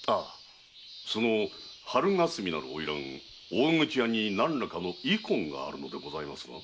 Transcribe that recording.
その春霞なる花魁大口屋に何らかの遺恨があるのでございますか？